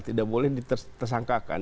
tidak boleh tersangkakan